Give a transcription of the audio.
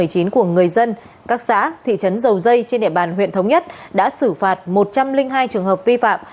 của người dân các xã thị trấn dầu dây trên địa bàn huyện thống nhất đã xử phạt một trăm linh hai trường hợp vi phạm